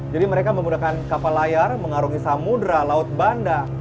jadi mereka menggunakan kapal layar mengarungi samudera laut banda